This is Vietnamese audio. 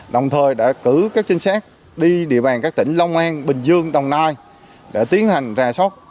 đồng thời đã cử các trinh sát đi địa bàn các tỉnh long an bình dương đồng nai để tiến hành rà sóc